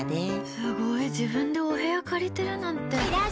すごい、自分でお部屋借りてるなんて。